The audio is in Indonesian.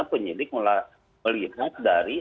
penyidik melihat dari